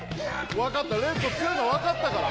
分かった、レッド、強いのは分かったから。